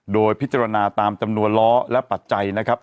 โดยพิจารณาตามจำนวนล้อและปัจจัยนะครับ